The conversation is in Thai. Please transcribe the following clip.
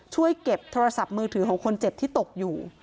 ช่วยเก็บโทรศัพท์มือถือของคนเจ็บที่ตกอยู่